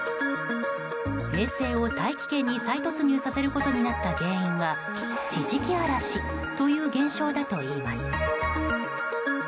衛星を大気圏に再突入させることになった原因は地磁気嵐という現象だといいます。